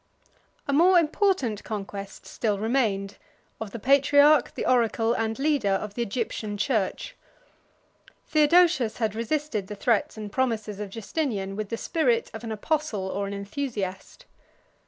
A more important conquest still remained, of the patriarch, the oracle and leader of the Egyptian church. Theodosius had resisted the threats and promises of Justinian with the spirit of an apostle or an enthusiast.